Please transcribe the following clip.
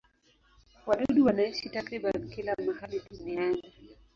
Wadudu wanaishi takriban kila mahali duniani.